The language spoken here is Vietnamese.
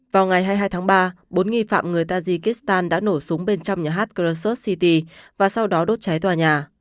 vào ngày hai mươi hai tháng ba bốn nghi phạm người tajikistan đã nổ súng bên trong nhà hát kursus city và sau đó đốt cháy tòa nhà